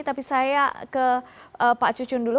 tapi saya ke pak cucun dulu